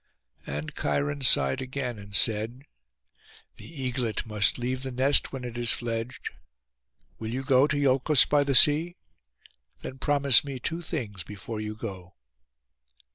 And Cheiron sighed again, and said, 'The eaglet must leave the nest when it is fledged. Will you go to Iolcos by the sea? Then promise me two things before you go.